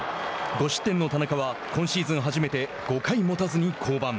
５失点の田中は今シーズン初めて５回もたずに降板。